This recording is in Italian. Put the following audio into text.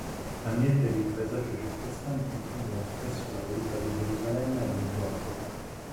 L'ambiente ed il paesaggio circostante includono spesso la veduta di Gerusalemme e del Golgota.